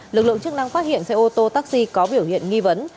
lực lượng chức năng phát hiện xe ô tô taxi có biểu hiện nghi vấn